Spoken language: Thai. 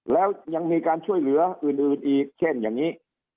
แล้วยังมีการช่วยเหลืออื่นอีกเช่นอย่างนี้